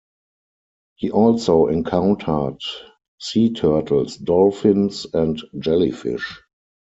He also encountered sea turtles, dolphins, and jellyfish.